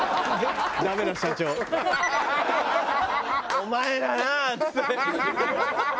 「お前らな」っつって。